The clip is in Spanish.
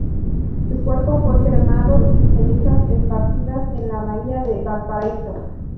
Su cuerpo fue cremado y sus cenizas esparcidas en la bahía de Valparaíso.